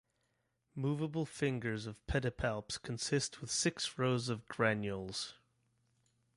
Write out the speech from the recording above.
Movable fingers of pedipalps consist with six rows of granules.